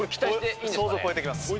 想像を超えてきます。